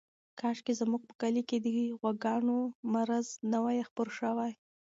کاشکې زموږ په کلي کې د غواګانو مرض نه وای خپور شوی.